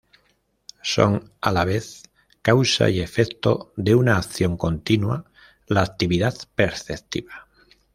Son, a la vez, causa y efecto de una acción continua: la actividad perceptiva.